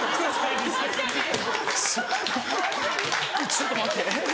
ちょっと待ってえっ？